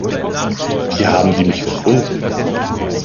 Wie haben die mich gefunden?